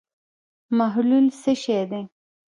محلول څه شی دی.